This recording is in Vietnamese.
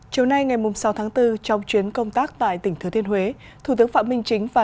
châu nay ngày sáu tháng bốn trong chuyến công tác tại tỉnh thứ thiên huế thủ tướng phạm minh chính và